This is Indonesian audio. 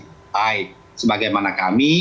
partai sebagaimana kami